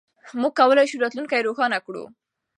موږ کولای شو راتلونکی روښانه کړو.